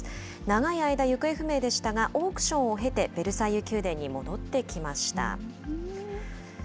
長い間、行方不明でしたが、オークションを経て、ベルサイユ宮殿に戻ってきました。